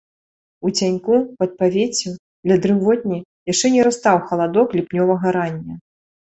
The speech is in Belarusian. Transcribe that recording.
У цяньку, пад павеццю, ля дрывотні, яшчэ не растаў халадок ліпнёвага рання.